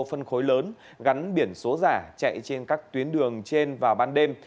phân khối lớn gắn biển số giả chạy trên các tuyến đường trên vào ban đêm